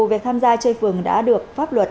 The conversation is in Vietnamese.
việc tham gia chơi phường đã được pháp luật